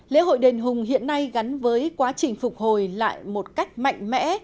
lễ hội đền hùng hiện nay gắn với quá trình phục hồi lại một cách mạnh mẽ